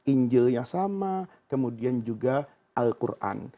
injilnya sama kemudian juga al quran